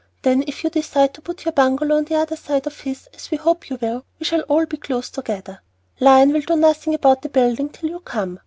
Then if you decide to put your bungalow on the other side of his, as we hope you will, we shall all be close together. Lion will do nothing about the building till you come.